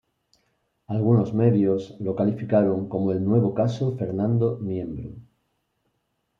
Algunos medios lo calificaron como el nuevo Caso Fernando Niembro.